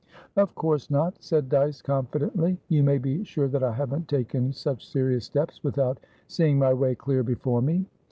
"Of course not," said Dyce, confidently. "You may be sure that I haven't taken such serious steps without seeing my way clear before me."